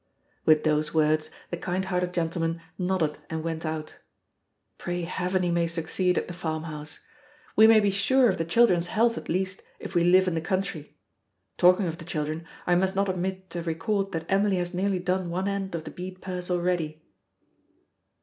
With those words the kind hearted gentleman nodded and went out. Pray heaven he may succeed at the farmhouse! We may be sure of the children's health, at least, if we live in the country. Talking of the children, I must not omit to record that Emily has nearly done one end of the bead purse already.